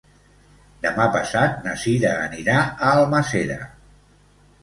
Demà passat na Sira anirà a Almàssera.